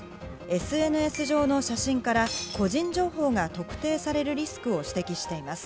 ＳＮＳ上の写真から個人情報が特定されるリスクを指摘しています。